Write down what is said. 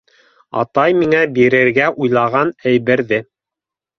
— Атай миңә бирергә уйлаған әйберҙе.